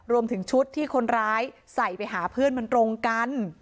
รวมถึงชุดที่คนร้ายใส่ไปหาเพื่อนมันตรงกัน